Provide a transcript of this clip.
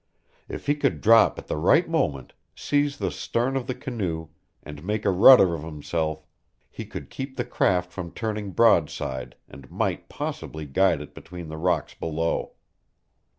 If he could drop at the right moment, seize the stern of the canoe, and make a rudder of himself, he could keep the craft from turning broadside and might possibly guide it between the rocks below.